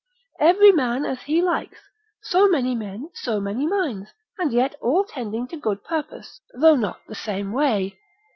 Every man as he likes, so many men so many minds, and yet all tending to good purpose, though not the same way.